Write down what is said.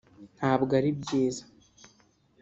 Ntabwo ari byiza